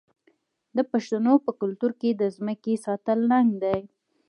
د پښتنو په کلتور کې د ځمکې ساتل ننګ دی.